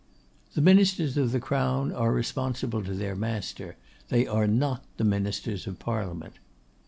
'The Ministers of the Crown are responsible to their master; they are not the Ministers of Parliament.